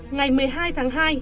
ngày một mươi hai tháng hai